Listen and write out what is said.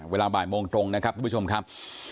เวลาบ่ายโมงตรงนะครับทุกผู้ชมครับ